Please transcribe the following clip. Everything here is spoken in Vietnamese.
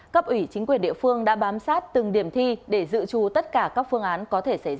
cấp ủy chính quyền địa phương đã bám sát từng điểm thi để dự trù tất cả các phương án có thể xảy ra